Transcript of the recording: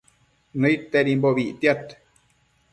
Nuquitedimbobi ictiad